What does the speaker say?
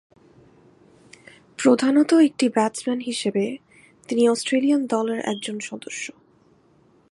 প্রধানত একটি ব্যাটসম্যান হিসেবে তিনি অস্ট্রেলিয়ান দলের একজন সদস্য।